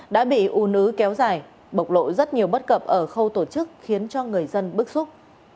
đã bị u nứ kéo dài bộc lộ rất nhiều bất cập ở khâu tổ chức khiến cho người dân bức xúc